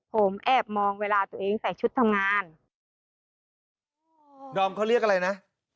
ผมแอบมองเวลาตัวเองใส่ชุดทำงานดอมเขาเรียกอะไรนะ